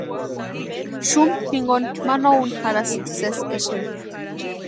Xumu jinkoni ma no úni jarhasïnti sési exeni.